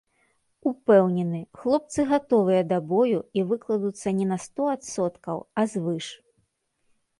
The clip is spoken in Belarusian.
Упэўнены, хлопцы гатовыя да бою і выкладуцца не на сто адсоткаў, а звыш.